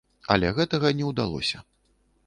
Але гэтага не ўдалося.